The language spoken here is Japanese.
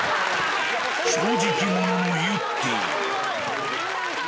正直者のゆってぃ。